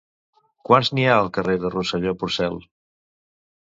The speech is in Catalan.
Quants n'hi ha al carrer de Rosselló-Pòrcel?